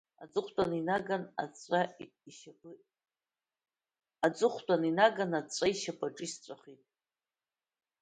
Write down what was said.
Аҵыхәтәан инаган аҵәа ашьапаҿы исҵәахит.